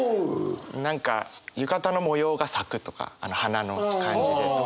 何か浴衣の模様が咲くとか花の感じでとか。